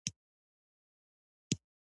احمد علي ته دوه پر دوه نه درېدل.